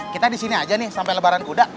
kita disini aja nih sampai lebaran kuda